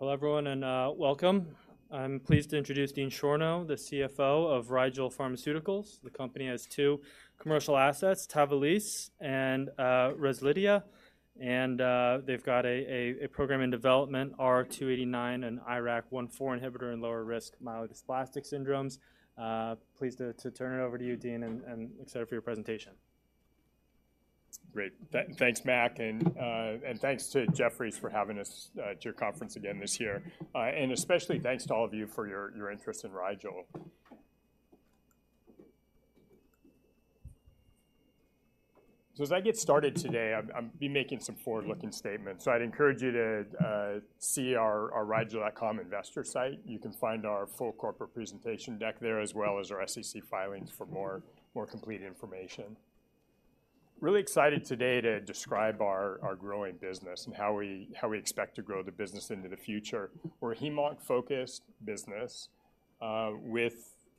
Hello, everyone, and welcome. I'm pleased to introduce Dean Schorno, the CFO of Rigel Pharmaceuticals. The company has two commercial assets, TAVALISSE and REZLIDHIA, and they've got a program in development, R289, an IRAK1/4 inhibitor in lower risk myelodysplastic syndromes. Pleased to turn it over to you, Dean, and excited for your presentation. Great. Thanks, [Mac], and thanks to Jefferies for having us to your conference again this year. And especially thanks to all of you for your interest in Rigel. So as I get started today, I'm be making some forward-looking statements, so I'd encourage you to see our rigel.com Investor site. You can find our full corporate presentation deck there, as well as our SEC filings for more complete information. Really excited today to describe our growing business and how we expect to grow the business into the future. We're a heme-focused business with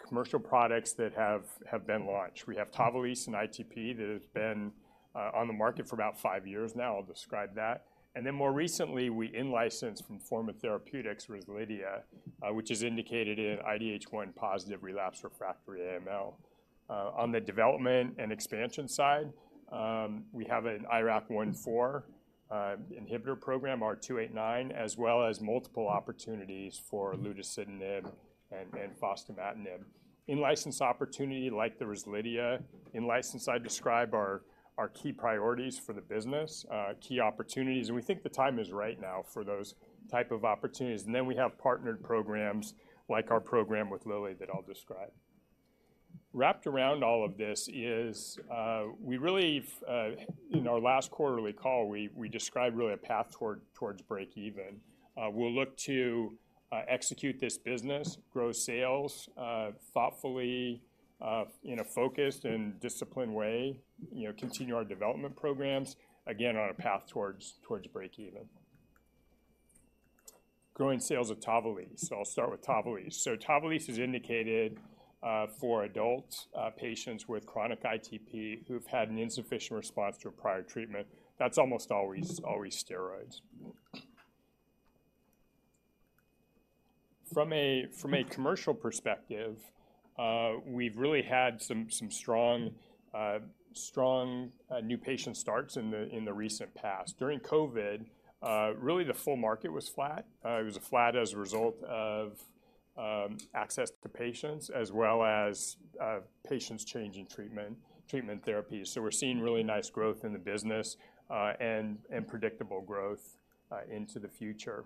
commercial products that have been launched. We have TAVALISSE in ITP that has been on the market for about five years now. I'll describe that. And then more recently, we in-licensed from Forma Therapeutics, REZLIDHIA, which is indicated in IDH1-positive relapse refractory AML. On the development and expansion side, we have an IRAK1/4 inhibitor program, R289, as well as multiple opportunities for olutasidenib and fostamatinib. In-license opportunity like the REZLIDHIA, in-license, I'd describe our key priorities for the business, key opportunities, and we think the time is right now for those type of opportunities. And then we have partnered programs like our program with Lilly that I'll describe. Wrapped around all of this is, we really, in our last quarterly call, we described really a path towards breakeven. We'll look to execute this business, grow sales thoughtfully, in a focused and disciplined way, you know, continue our development programs, again, on a path towards breakeven. Growing sales of TAVALISSE. So I'll start with TAVALISSE. So TAVALISSE is indicated for adult patients with chronic ITP who've had an insufficient response to a prior treatment. That's almost always steroids. From a commercial perspective, we've really had some strong new patient starts in the recent past. During COVID, really, the full market was flat. It was flat as a result of access to patients as well as patients changing treatment therapies. So we're seeing really nice growth in the business and predictable growth into the future.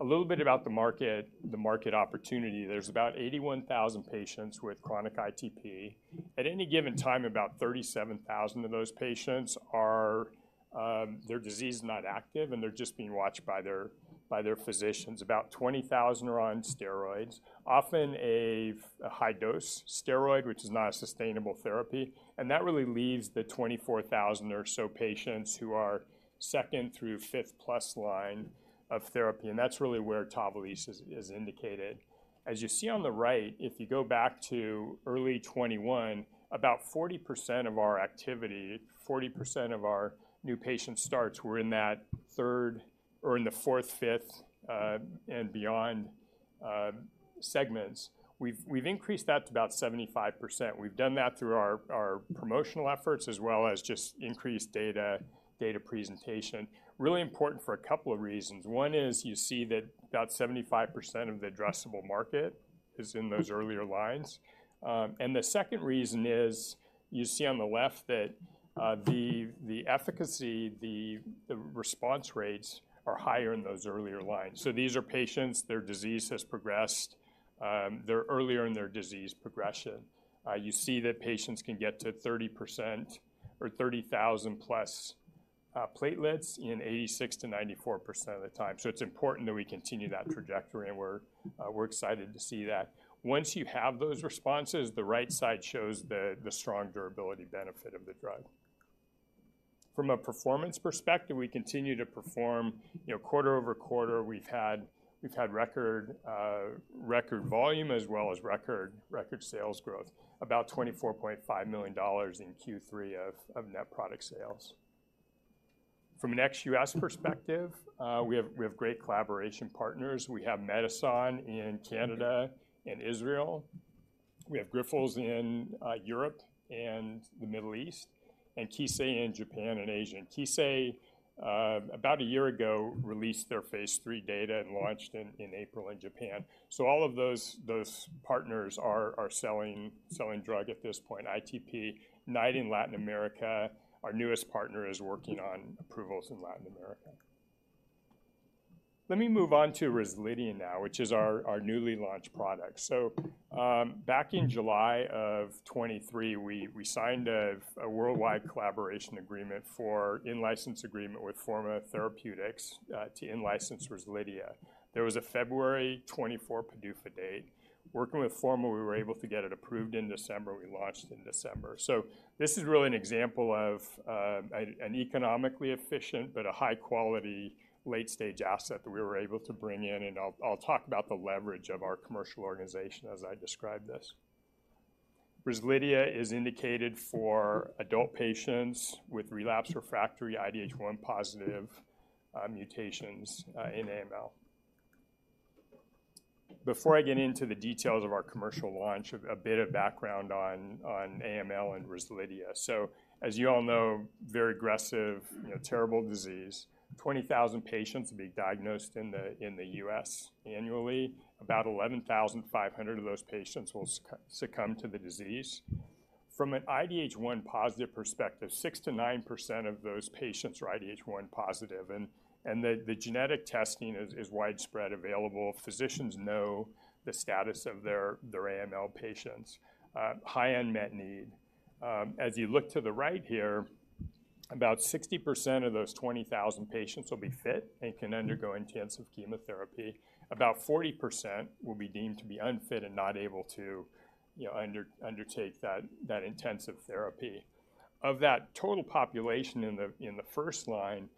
A little bit about the market, the market opportunity. There's about 81,000 patients with chronic ITP. At any given time, about 37,000 of those patients are... Their disease is not active, and they're just being watched by their physicians. About 20,000 are on steroids, often a high dose steroid, which is not a sustainable therapy, and that really leaves the 24,000 or so patients who are second through fifth plus line of therapy, and that's really where TAVALISSE is indicated. As you see on the right, if you go back to early 2021, about 40% of our activity, 40% of our new patient starts were in that third or in the fourth, fifth, and beyond segments. We've increased that to about 75%. We've done that through our promotional efforts, as well as just increased data presentation. Really important for a couple of reasons. One is you see that about 75% of the addressable market is in those earlier lines. And the second reason is, you see on the left that, the efficacy, the response rates are higher in those earlier lines. So these are patients, their disease has progressed, they're earlier in their disease progression. You see that patients can get to 30% or 30,000+ platelets in 86%-94% of the time. So it's important that we continue that trajectory, and we're excited to see that. Once you have those responses, the right side shows the strong durability benefit of the drug. From a performance perspective, we continue to perform, you know, quarter-over-quarter, we've had record volume as well as record sales growth, about $24.5 million in Q3 of net product sales. From an ex-U.S. perspective, we have great collaboration partners. We have Medison in Canada and Israel. We have Grifols in Europe and the Middle East, and Kissei in Japan and Asia. Kissei, about a year ago, released their Phase III data and launched in April in Japan. So all of those partners are selling drug at this point, ITP. Knight in Latin America, our newest partner, is working on approvals in Latin America. Let me move on to REZLIDHIA now, which is our newly launched product. So, back in July of 2023, we signed a worldwide collaboration agreement for in-license agreement with Forma Therapeutics to in-license REZLIDHIA. There was a February 2024 PDUFA date. Working with Forma, we were able to get it approved in December. We launched in December. So this is really an example of an economically efficient but a high-quality late-stage asset that we were able to bring in, and I'll talk about the leverage of our commercial organization as I describe this. REZLIDHIA is indicated for adult patients with relapsed refractory IDH1-positive mutations in AML. Before I get into the details of our commercial launch, a bit of background on AML and REZLIDHIA. So as you all know, very aggressive, you know, terrible disease. 20,000 patients will be diagnosed in the U.S. annually. About 11,500 of those patients will succumb to the disease. From an IDH1 positive perspective, 6%-9% of those patients are IDH1 positive, and the genetic testing is widespread available. Physicians know the status of their AML patients, high unmet need. As you look to the right here, about 60% of those 20,000 patients will be fit and can undergo intensive chemotherapy. About 40% will be deemed to be unfit and not able to, you know, undertake that intensive therapy. Of that total population in the first line,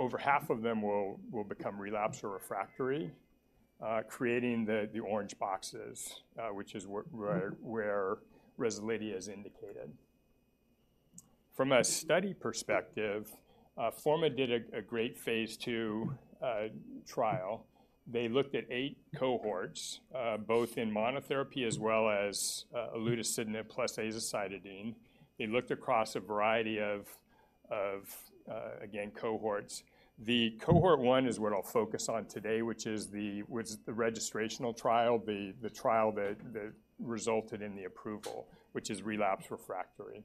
over half of them will become relapsed or refractory, creating the orange boxes, which is where REZLIDHIA is indicated. From a study perspective, Forma did a great Phase II trial. They looked at eight cohorts, both in monotherapy as well as olutasidenib plus azacitidine. They looked across a variety of cohorts. The cohort one is what I'll focus on today, which was the registrational trial, the trial that resulted in the approval, which is relapsed refractory.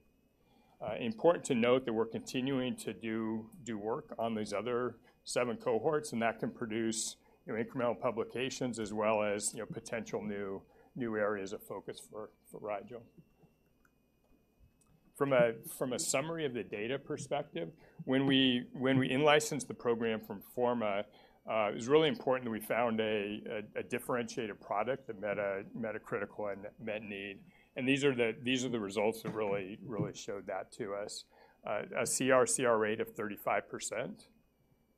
Important to note that we're continuing to do work on these other seven cohorts, and that can produce, you know, incremental publications as well as, you know, potential new areas of focus for Rigel. From a summary of the data perspective, when we in-licensed the program from Forma, it was really important that we found a differentiated product that met a critical unmet need. And these are the results that really showed that to us. A CR rate of 35%,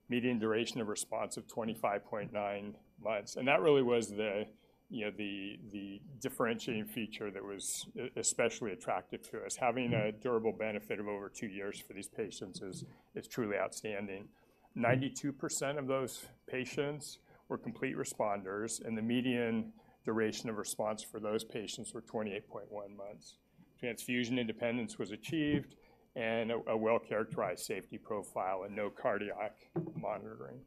median duration of response of 25.9 months, and that really was the, you know, the differentiating feature that was especially attractive to us. Having a durable benefit of over two years for these patients is truly outstanding. 92% of those patients were complete responders, and the median duration of response for those patients were 28.1 months. Transfusion independence was achieved and a well-characterized safety profile and no cardiac monitoring.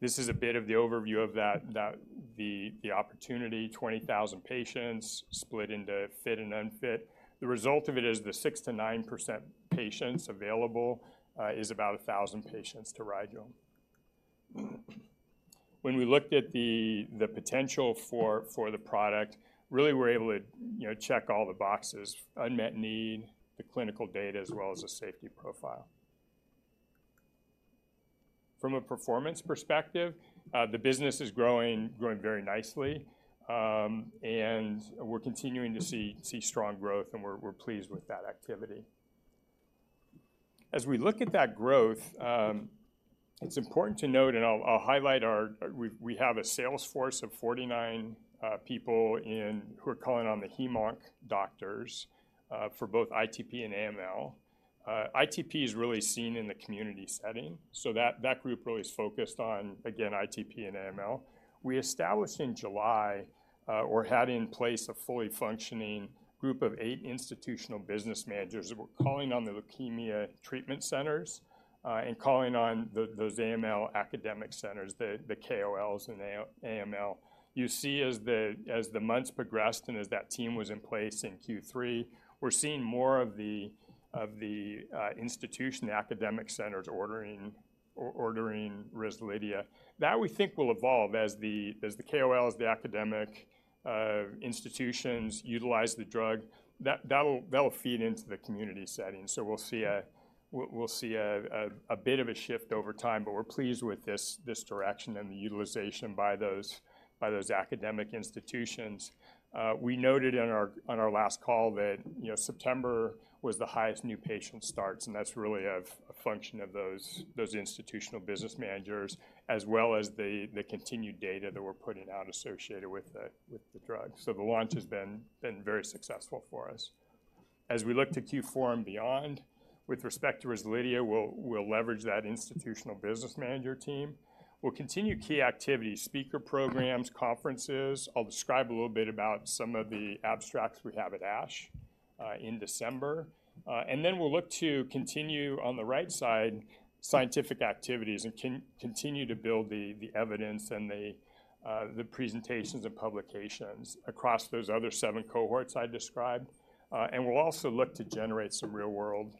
This is a bit of the overview of that the opportunity, 20,000 patients split into fit and unfit. The result of it is the 6%-9% patients available is about 1,000 patients to Rigel. When we looked at the potential for the product, really we're able to, you know, check all the boxes, unmet need, the clinical data, as well as the safety profile. From a performance perspective, the business is growing, growing very nicely, and we're continuing to see strong growth, and we're pleased with that activity. As we look at that growth, it's important to note, and I'll highlight our. We have a sales force of 49 people who are calling on the hem-onc doctors for both ITP and AML. ITP is really seen in the community setting, so that group really is focused on, again, ITP and AML. We established in July or had in place a fully functioning group of eight institutional business managers who were calling on the leukemia treatment centers and calling on those AML academic centers, the KOLs and AML. You see as the months progressed and as that team was in place in Q3, we're seeing more of the institutional academic centers ordering REZLIDHIA. That we think will evolve as the KOLs, the academic institutions utilize the drug. That'll feed into the community setting, so we'll see a bit of a shift over time, but we're pleased with this direction and the utilization by those academic institutions. We noted on our last call that, you know, September was the highest new patient starts, and that's really of a function of those institutional business managers, as well as the continued data that we're putting out associated with the drug. So the launch has been very successful for us. As we look to Q4 and beyond, with respect to REZLIDHIA, we'll leverage that institutional business manager team. We'll continue key activities, speaker programs, conferences. I'll describe a little bit about some of the abstracts we have at ASH in December. And then we'll look to continue on the right side, scientific activities, and continue to build the evidence and the presentations and publications across those other seven cohorts I described. And we'll also look to generate some real-world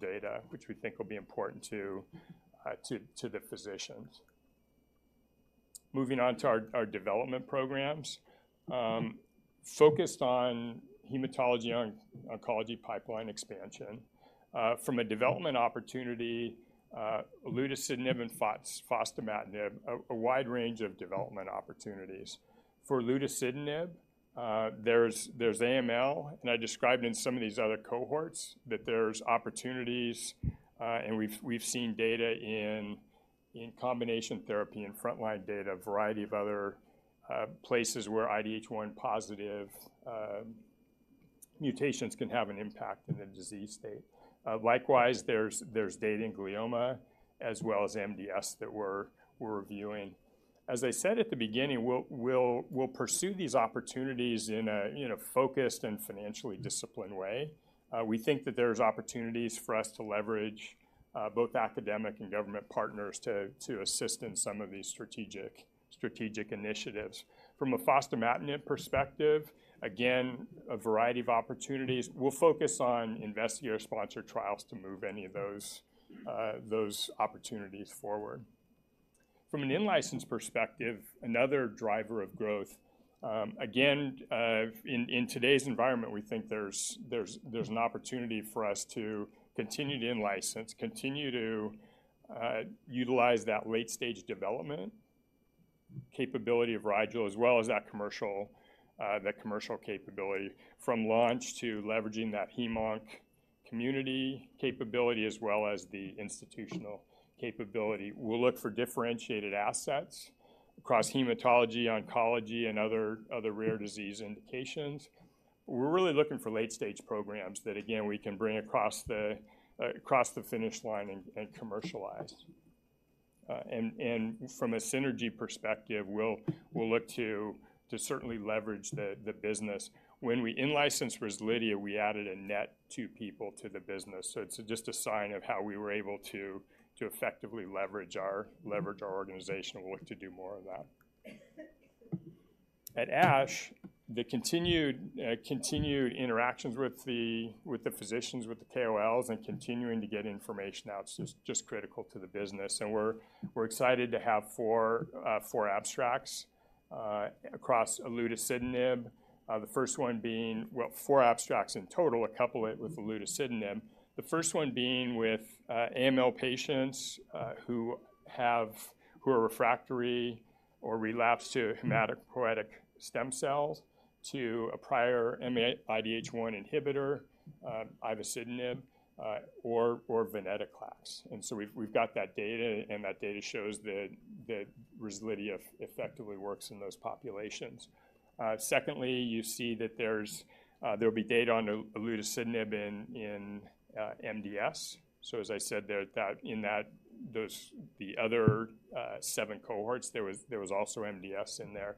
data, which we think will be important to the physicians. Moving on to our development programs focused on hematology, on oncology pipeline expansion. From a development opportunity, olutasidenib and fostamatinib, a wide range of development opportunities. For olutasidenib, there's AML, and I described in some of these other cohorts that there's opportunities, and we've seen data in combination therapy and frontline data, a variety of other places where IDH1 positive... Mutations can have an impact in the disease state. Likewise, there's data in glioma as well as MDS that we're reviewing. As I said at the beginning, we'll pursue these opportunities in a, you know, focused and financially disciplined way. We think that there's opportunities for us to leverage both academic and government partners to assist in some of these strategic initiatives. From a fostamatinib perspective, again, a variety of opportunities. We'll focus on investigator-sponsored trials to move any of those opportunities forward. From an in-license perspective, another driver of growth, again, in today's environment, we think there's an opportunity for us to continue to in-license, continue to utilize that late-stage development capability of Rigel, as well as that commercial capability, from launch to leveraging that hem-onc community capability, as well as the institutional capability. We'll look for differentiated assets across hematology, oncology, and other rare disease indications. We're really looking for late-stage programs that, again, we can bring across the finish line and commercialize. And from a synergy perspective, we'll look to certainly leverage the business. When we in-licensed REZLIDHIA, we added a net two people to the business, so it's just a sign of how we were able to effectively leverage our organization. We'll look to do more of that. At ASH, the continued, continued interactions with the, with the physicians, with the KOLs, and continuing to get information out is just critical to the business, and we're, we're excited to have four, four abstracts, across olutasidenib. The first one being... Well, four abstracts in total, a couple with olutasidenib. The first one being with, AML patients, who are refractory or relapsed to hematopoietic stem cells to a prior IDH1 inhibitor, ivosidenib, or venetoclax. And so we've, we've got that data, and that data shows that, that REZLIDHIA effectively works in those populations. Secondly, you see that there's, there'll be data on olutasidenib in, in, MDS. So as I said there, that in those the other seven cohorts, there was also MDS in there.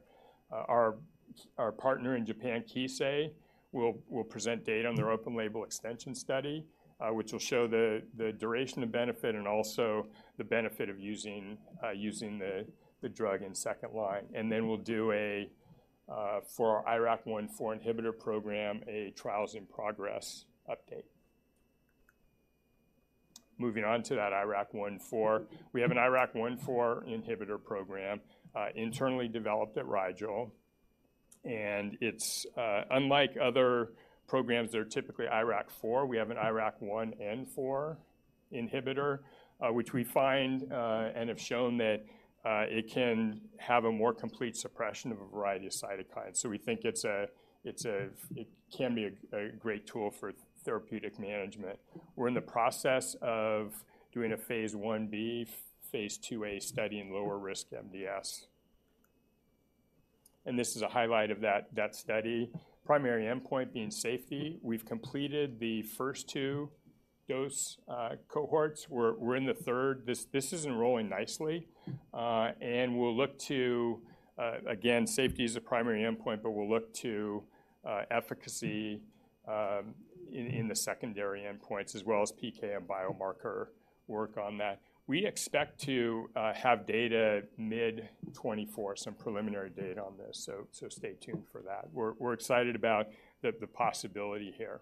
Our partner in Japan, Kissei, will present data on their open-label extension study, which will show the duration of benefit and also the benefit of using the drug in second line. And then we'll do a for our IRAK1/4 inhibitor program, a trials in progress update. Moving on to that IRAK1/4. We have an IRAK1/4 inhibitor program, internally developed at Rigel, and it's unlike other programs that are typically IRAK4, we have an IRAK1 and 4 inhibitor, which we find and have shown that it can have a more complete suppression of a variety of cytokines. So we think it's a it can be a great tool for therapeutic management. We're in the process of doing a Phase Ib, Phase IIa study in lower-risk MDS. This is a highlight of that study, primary endpoint being safety. We've completed the first two dose cohorts. We're in the third. This is enrolling nicely, and we'll look to, again, safety is a primary endpoint, but we'll look to efficacy in the secondary endpoints as well as PK and biomarker work on that. We expect to have data mid-2024, some preliminary data on this, so stay tuned for that. We're excited about the possibility here.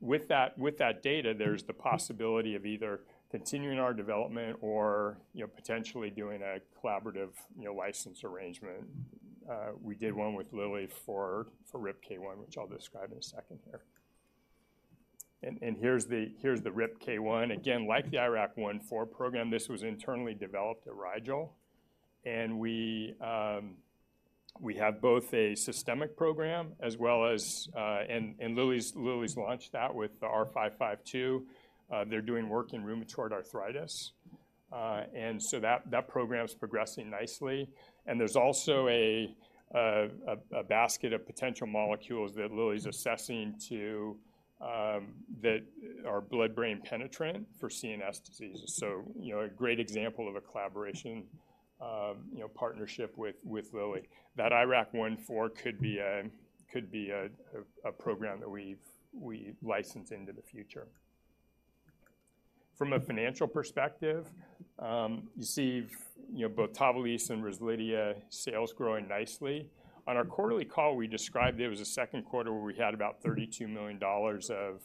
With that data, there's the possibility of either continuing our development or, you know, potentially doing a collaborative, you know, license arrangement. We did one with Lilly for RIPK1, which I'll describe in a second here. Here's the RIPK1. Again, like the IRAK1/4 program, this was internally developed at Rigel, and we have both a systemic program as well as. Lilly's launched that with the R552. They're doing work in rheumatoid arthritis, and so that program is progressing nicely. And there's also a basket of potential molecules that Lilly's assessing to that are blood-brain penetrant for CNS diseases. So, you know, a great example of a collaboration, you know, partnership with Lilly. That IRAK1/4 could be a program that we license into the future. From a financial perspective, you see, you know, both TAVALISSE and REZLIDHIA sales growing nicely. On our quarterly call, we described it was a second quarter where we had about $32 million+ of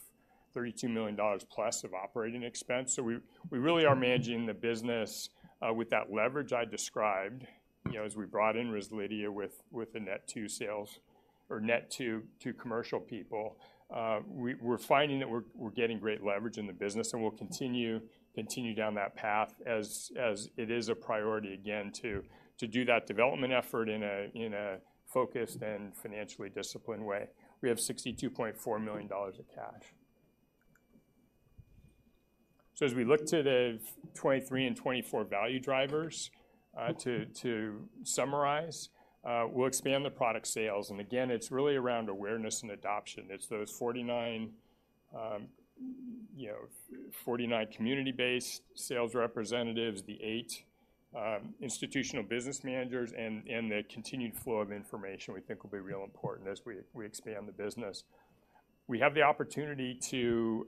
operating expense. So we really are managing the business with that leverage I described, you know, as we brought in REZLIDHIA with the net two sales or net two to commercial people. We're finding that we're getting great leverage in the business, and we'll continue down that path as it is a priority, again, to do that development effort in a focused and financially disciplined way. We have $62.4 million of cash. So as we look to the 2023 and 2024 value drivers, to summarize, we'll expand the product sales. And again, it's really around awareness and adoption. It's those 49, you know, 49 community-based sales representatives, the eight institutional business managers, and the continued flow of information we think will be real important as we expand the business. We have the opportunity to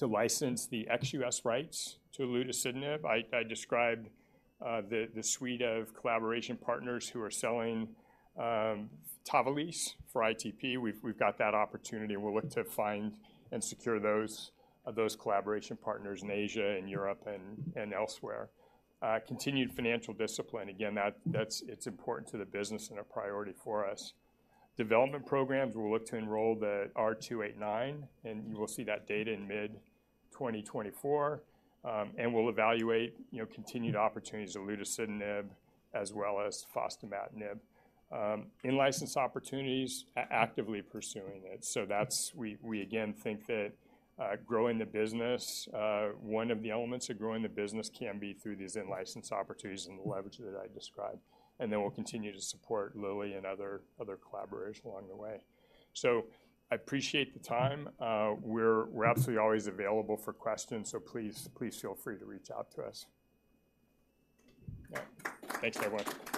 license the ex-US rights to olutasidenib. I described the suite of collaboration partners who are selling TAVALISSE for ITP. We've got that opportunity, and we'll look to find and secure those collaboration partners in Asia and Europe and elsewhere. Continued financial discipline, again, that's—it's important to the business and a priority for us. Development programs, we'll look to enroll the R289, and you will see that data in mid-2024. And we'll evaluate continued opportunities of olutasidenib as well as fostamatinib. In-license opportunities, actively pursuing it. So that's... We again think that growing the business, one of the elements of growing the business can be through these in-license opportunities and the leverage that I described. And then we'll continue to support Lilly and other collaborators along the way. So I appreciate the time. We're absolutely always available for questions, so please feel free to reach out to us. Yeah. Thanks, everyone.